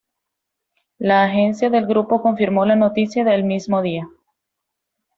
La agencia del grupo confirmó la noticia el mismo día.